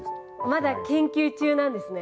まだ研究中なんですね。